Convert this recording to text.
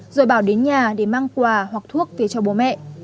rồi bảo đến nhà để mang quà hoặc thuốc về cho bố mẹ